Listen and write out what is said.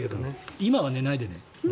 今は寝ないでね。